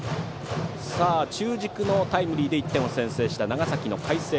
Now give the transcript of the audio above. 中軸のタイムリーで１点を先制した長崎の海星。